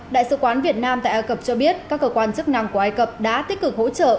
đại sứ quán việt nam tại ai cập cho biết các cơ quan chức năng của ai cập đã tích cực hỗ trợ